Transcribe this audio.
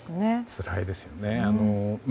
つらいですよね。